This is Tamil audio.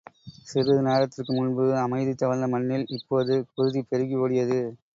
சிறிது நேரத்திற்கு முன்பு அமைதி தவழ்ந்த மண்ணில், இப்போது குருதி பெருகி ஓடியது.